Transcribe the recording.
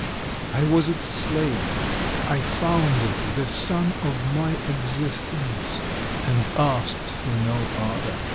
I was its slave; I found it the sun of my existence, and asked for no other.